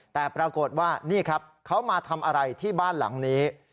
แต่ปรากฏว่านี่ครับเขามาทำอะไรที่บ้านหลังนี้